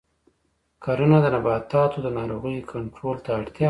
کرنه د نباتاتو د ناروغیو کنټرول ته اړتیا لري.